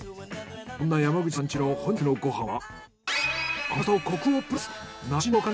そんな山口さん家の本日のご飯は。